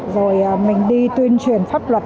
rồi mình đi tuyên truyền pháp luật